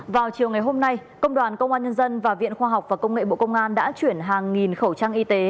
vào chiều ngày hôm nay công đoàn công an nhân dân và viện khoa học và công nghệ bộ công an đã chuyển hàng nghìn khẩu trang y tế